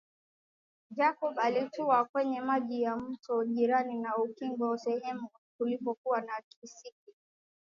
Jacob alitua kwenye maji ya mto jirani na ukingo sehemu kulipokuwa na kisiki